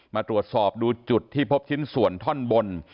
มาตรวจสอบดูจุดที่พบชิ้นส่วนท่อนบน